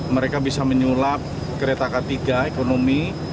mereka bisa menyulap kereta k tiga ekonomi